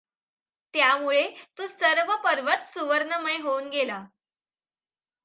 त्यामुळे तो सर्व पर्वत सुवर्णमय होऊन गेला.